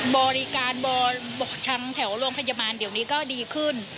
บริการทั้งแถวร่วงพัฒน์ชะมันเดี่ยวนี้ก็ดีขึ้น